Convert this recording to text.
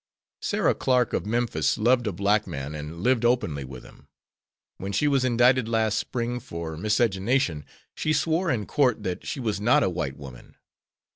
Sarah Clark of Memphis loved a black man and lived openly with him. When she was indicted last spring for miscegenation, she swore in court that she was not a white woman.